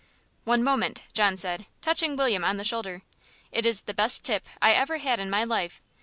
"One moment," John said, touching William on the shoulder. "It is the best tip I ever had in my life.